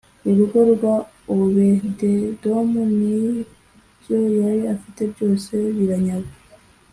urugo rwa obededomu n’ibyo yari afite byose biranyagwa